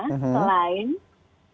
tapi juga yang paling penting